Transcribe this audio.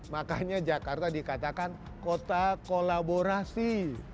makanya jakarta dikatakan kota kolaborasi